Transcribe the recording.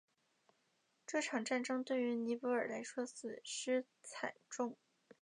这场战争对于尼泊尔来说损失惨重。